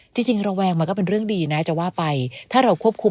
จริงระแวงมันก็เป็นเรื่องดีนะจะว่าไปถ้าเราควบคุม